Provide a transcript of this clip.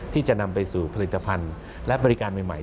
ที่จะนำไปสู่ผลิตภัณฑ์และบริการใหม่